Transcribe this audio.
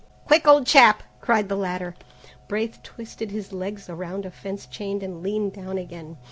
"Quick, old chap!" cried the latter. Braith twisted his legs around a fence chain and leaned down again.